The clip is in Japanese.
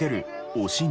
おしん！